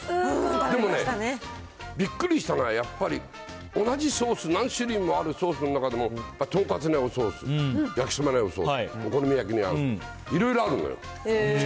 でもね、びっくりしたのはやっぱり、同じソース何種類もあるソースの中でも、やっぱりとんかつに合うソース、焼きそばに合うソース、お好み焼きに合うやつ、いろいろあるのよ。